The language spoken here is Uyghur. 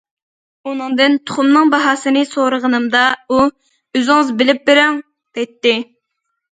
ئۇنىڭدىن تۇخۇمنىڭ باھاسىنى سورىغىنىمدا، ئۇ:‹‹ ئۆزىڭىز بىلىپ بېرىڭ›› دەيتتى.